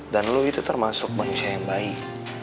dan lo itu termasuk manusia yang baik